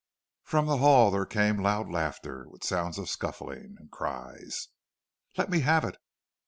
From the hall there came loud laughter, with sounds of scuffling, and cries, "Let me have it!"